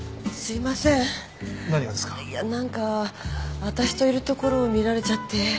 何か私といるところを見られちゃって。